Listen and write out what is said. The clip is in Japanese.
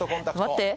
待って。